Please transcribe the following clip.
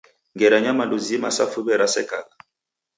Ngera nyamandu zima sa fuw'e rasekagha?